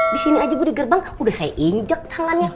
disini aja bu di gerbang udah saya injek tangannya